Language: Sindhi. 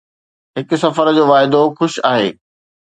هڪ سفر جو واعدو خوش آهي.